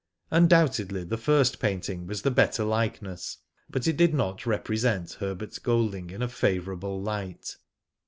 Undoubtedly the first painting was the better likeness, but it did not represent Herbert Golding in a favourable light.